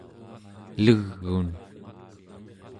leg'un